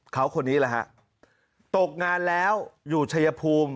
เขาคนนี้แหละฮะตกงานแล้วอยู่ชายภูมิ